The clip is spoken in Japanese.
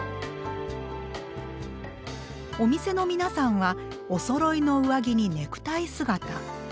お店の皆さんはおそろいの上着にネクタイ姿。